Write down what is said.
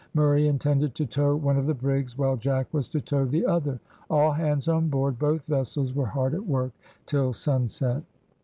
Murray intended to tow one of the brigs, while Jack was to tow the other. All hands on board both vessels were hard at work till sunset.